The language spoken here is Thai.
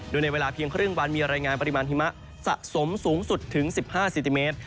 โดยในเวลาเพียงครึ่งวันมีรายงานปริมาณหิมะสะสมสูงสุดถึง๑๕เซนติเมตร